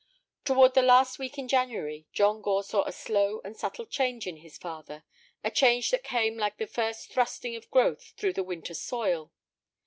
Toward the last week in January John Gore saw a slow and subtle change in his father, a change that came like the first thrusting of growth through the winter soil.